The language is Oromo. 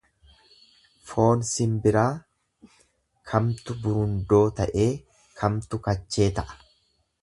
Foon simbiraa kamtu burundoo ta'ee kamtu kachee ta'a.